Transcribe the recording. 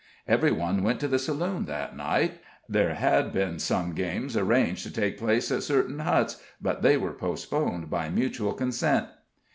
Every one went to the saloon that night there had been some games arranged to take place at certain huts, but they were postponed by mutual consent.